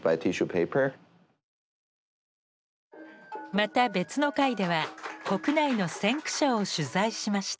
また別の回では国内の先駆者を取材しました。